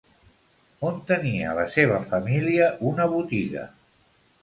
On tenia la seva família una botiga?